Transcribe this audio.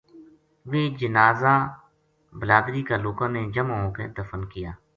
ویہ جنازہ بلادری کا لوکاں نے جمع ہو کے دفن کِیا